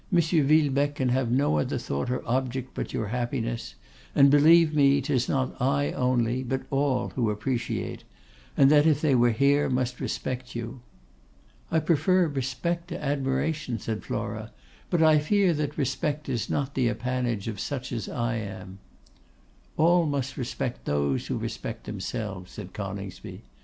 Villebecque can have no other thought or object but your happiness; and, believe me, 'tis not I only, but all, who appreciate, and, if they were here, must respect you.' 'I prefer respect to admiration,' said Flora; 'but I fear that respect is not the appanage of such as I am.' 'All must respect those who respect themselves,' said Coningsby.